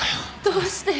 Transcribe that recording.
どうして？